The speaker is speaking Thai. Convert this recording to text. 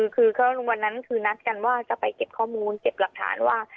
คือวันนั้นคือนัดกันว่าจะไปเก็บข้อมูลเก็บหลักฐานว่า